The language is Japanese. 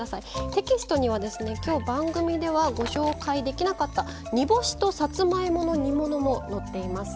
テキストには今日番組ではご紹介できなかった煮干しとさつまいもの煮物も載っています。